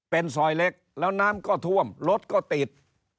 เป็นซอยเล็กแล้วน้ำก็ท่วมรถก็ติด